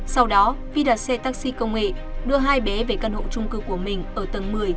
sau đó phi đặt xe taxi công nghệ đưa hai bé về căn hộ trung cư của mình ở tầng một mươi